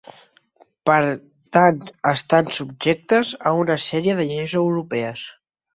Per tant estan subjectes a una sèrie de lleis europees.